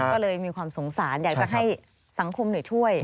ก็เลยมีความสงสารอยากจะให้สังคมช่วย